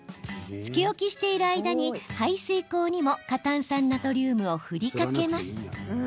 つけ置きしている間に排水口にも過炭酸ナトリウムを振りかけます。